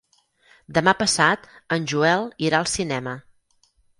Demà passat en Joel irà al cinema.